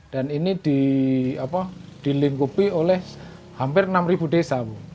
dan ini dilengkapi oleh hampir enam ribu desa